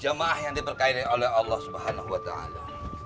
jamaah yang diperkaini oleh allah subhanahu wa ta'ala